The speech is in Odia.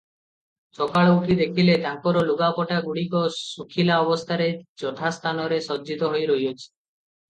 ସକାଳୁ ଉଠି ଦେଖିଲେ, ତାଙ୍କର ଲୁଗାପଟା ଗୁଡ଼ିକ ଶୁଖିଲା ଅବସ୍ଥାରେ ଯଥା ସ୍ଥାନରେ ସଜ୍ଜିତ ହୋଇ ରହିଅଛି ।